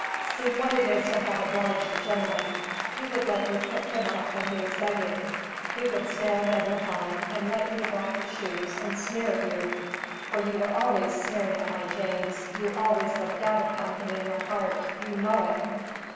See what it is to have obliged a gentleman. He would let you pick him up when he was begging; he would stand and look on, and let you black his shoes, and sneer at you. For you were always sneering at my James; you always looked down upon him in your heart, you know it!"